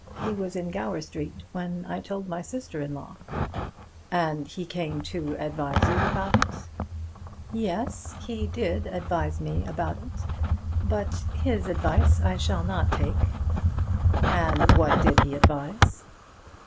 He was in Gower Street when I told my sister in law." "And he came to advise you about it?" "Yes; he did advise me about it. But his advice I shall not take." "And what did he advise?"